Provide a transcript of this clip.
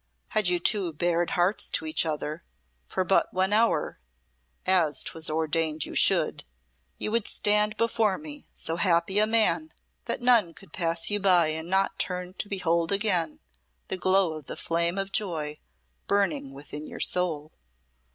Had you two bared hearts to each other for but one hour, as 'twas ordained you should, you would stand before me so happy a man that none could pass you by and not turn to behold again the glow of the flame of joy burning within your soul."